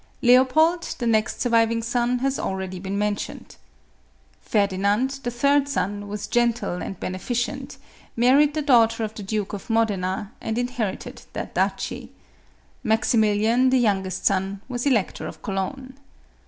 Leopold, the next surviving son, has already been mentioned. Ferdinand, the third son, was gentle and beneficent, married the daughter of the Duke of Modena, and inherited that duchy. Maxi miliam, the youngest son, was Elector of Cologne.